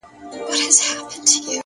هره هڅه د راتلونکي تخم کري!.